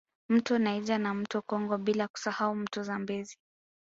Mto Niger na mto Congo bila kusahau mto Zambezi